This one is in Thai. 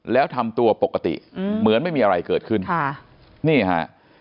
แล้วทำตัวปกติเหมือนไม่มีอะไรเกิดขึ้นค่ะนี่ฮะ